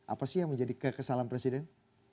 apa sih yang menjadi kekesalan presiden